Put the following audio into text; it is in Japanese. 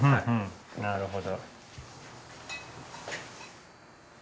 なるほど。